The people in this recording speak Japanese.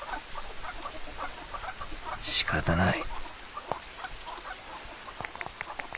しかたない。